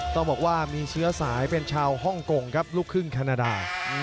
ต้องบอกว่ามีเชื้อสายเป็นชาวฮ่องกงครับลูกครึ่งแคนาดา